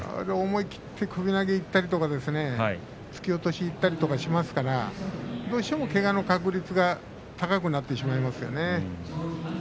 思い切って首投げにいったり突き落としにいったりしますからどうしても、けがの確率が高くなってしまいますよね。